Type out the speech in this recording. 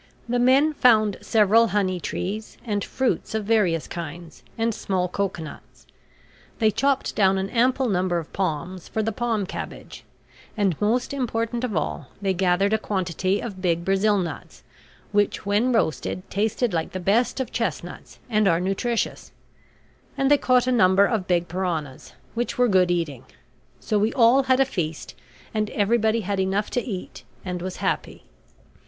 The men found several honey trees, and fruits of various kinds, and small cocoanuts; they chopped down an ample number of palms, for the palm cabbage; and, most important of all, they gathered a quantity of big Brazil nuts, which when roasted tasted like the best of chestnuts and are nutritious; and they caught a number of big piranhas, which were good eating. So we all had a feast, and everybody had enough to eat and was happy.